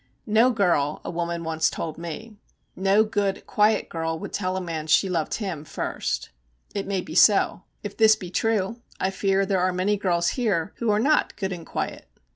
'No girl,' a woman once told me, 'no good, quiet girl would tell a man she loved him first.' It may be so; if this be true, I fear there are many girls here who are not good and quiet.